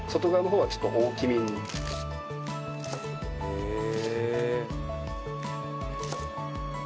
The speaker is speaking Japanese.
へえ！